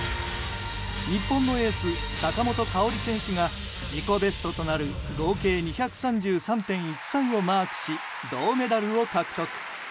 日本のエース、坂本花織選手が自己ベストとなる合計２３３．１３をマークし銅メダルを獲得。